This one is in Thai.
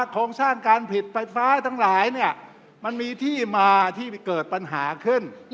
โครงสร้างการผลิตไฟฟ้าทั้งหลายมันมีที่มาที่เกิดปัญหาขึ้น